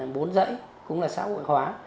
bốn dãy cũng là xã hội hóa